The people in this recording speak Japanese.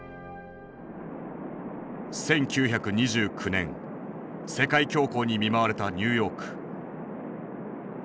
１９２９年世界恐慌に見舞われたニューヨーク。